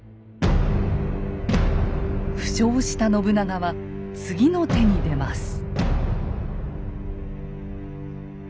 負傷した信長は次の手に出ます。